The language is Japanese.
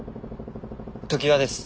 常盤です。